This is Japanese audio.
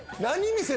何？